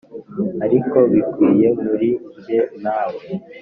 ariko bikwiye muri njye nawe.